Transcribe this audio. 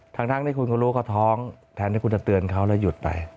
ทั้งที่คุณก็รู้ครัวท้องแถมที่คุณจะเตือนเค้าแล้วหยุดไป